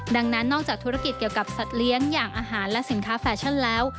ดังนั้นนอกจากธุรกิจเกี่ยวกับสัตว์เลี้ยงอย่างอาหารและสินค้าแฟชั่นแล้ว